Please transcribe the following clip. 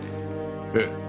ええ。